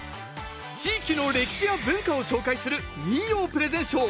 地域の歴史や文化を紹介する民謡プレゼンショー